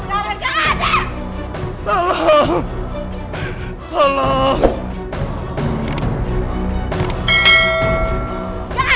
gak ada yang bisa tolong kamu sekarang